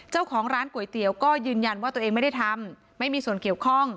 เจ้าของร้านก๋วยเตี๋ยวก็ยืนยันว่าตัวเองไม่ได้ทำไม่มีส่วนเกี่ยวข้อง